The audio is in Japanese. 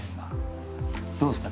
どうですか？